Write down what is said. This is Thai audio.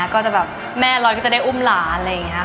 ก็จะแบบแม่ลอนก็จะได้อุ้มหลาน